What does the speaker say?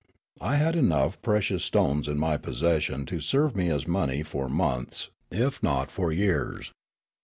I had enough precious stones in m)' possession to serve me as money for months, if not for years.